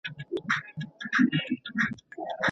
مخطي يا خطاوتلی هغه څوک چي د طلاق لفظ ئې مقصد نه وي.